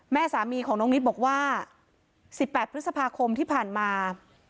แม่สามีของน้องนิดบอกว่า๑๘พฤษภาคมที่ผ่านมา